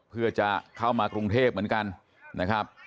เพื่อจะเข้ามากรุงเทพเหมือนกันนะครับ